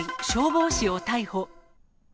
消防士を逮捕。